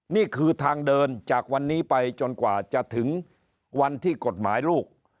นี่คือทางเดินจากวันนี้ไปจนกว่าจะถึงวันที่กฎหมายลูก